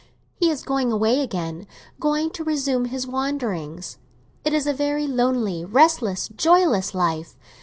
He is going away again—going to resume his wanderings. It is a very lonely, restless, joyless life.